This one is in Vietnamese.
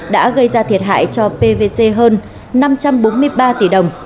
đã gây ra thiệt hại cho pvc hơn năm trăm bốn mươi ba tỷ đồng